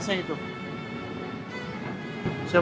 sekarang bagaimana caranya